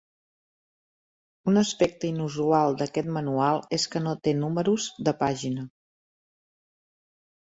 Un aspecte inusual d'aquest manual és que no té números de pàgina.